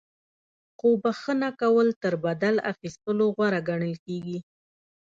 خو بخښنه کول تر بدل اخیستلو غوره ګڼل کیږي.